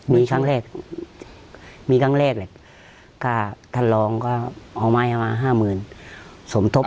มีขั้งเลขมีขั้งเลขค่ะท่านร้องก็เอาไม้มา๕๐๐๐๐บาท